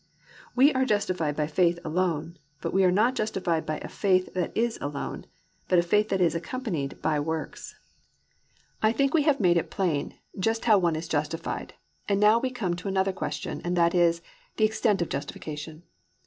We are justified by faith alone, but we are not justified by a faith that is alone, but a faith that is accompanied by works. III. THE EXTENT OF JUSTIFICATION I think we have made it plain just how one is justified, and now we come to another question and that is, the extent of justification.